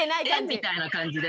みたいな感じで。